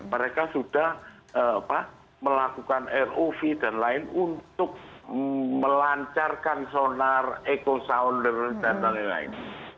mereka sudah melakukan rov dan lain untuk melancarkan sonar eco sounder dan lain lain